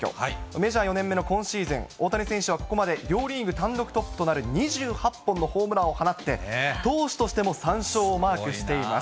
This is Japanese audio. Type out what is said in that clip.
メジャー４年目の今シーズン、大谷選手はここまで両リーグ単独トップとなる２８本のホームランを放って、投手としても３勝をマークしています。